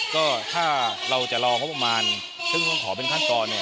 ก็ถ้าเราจะรองบประมาณซึ่งต้องขอเป็นขั้นตอนเนี่ย